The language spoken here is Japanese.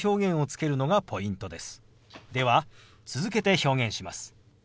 では続けて表現します。